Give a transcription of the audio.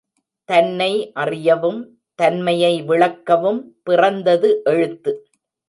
தன்னை அறியவும், தன்மையை விளக்கவும் பிறந்தது எழுத்து.